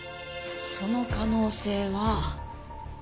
その可能性はある。